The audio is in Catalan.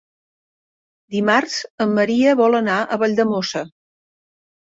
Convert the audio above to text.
Dimarts en Maria vol anar a Valldemossa.